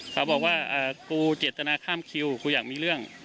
เขาบอกว่ากูเจตนาข้ามคิวกูอยากมีเรื่อง